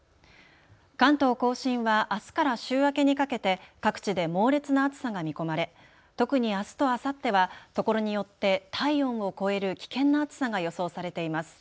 関東甲信はあすから週明けにかけて各地で猛烈な暑さが見込まれ特にあすとあさってはところによって体温を超える危険な暑さが予想されています。